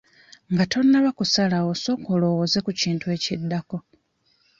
Nga tonnaba kusalawo sooka olowooze ku kintu ekiddako.